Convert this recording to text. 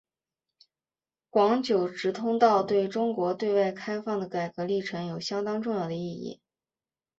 广九直通车对中国对外开放的改革历程有相当重要的意义。